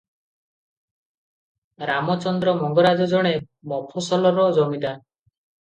ରାମଚନ୍ଦ୍ର ମଙ୍ଗରାଜ ଜଣେ ମଫସଲର ଜମିଦାର ।